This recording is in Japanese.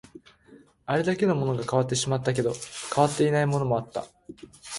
あれだけのものが変わってしまったけど、変わっていないものもあった